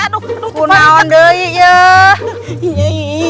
kau tidak bisa